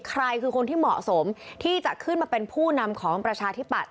ใครคือคนที่เหมาะสมที่จะขึ้นมาเป็นผู้นำของประชาธิปัตย